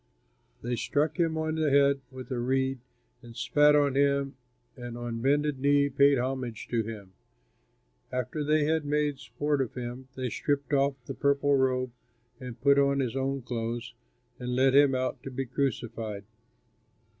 They struck him on the head with a reed and spat on him, and on bended knee paid homage to him. After they had made sport of him, they stripped off the purple robe and put on his own clothes, and led him out to be crucified.